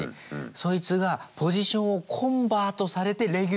そいつがポジションをコンバートされてレギュラーになったのよ。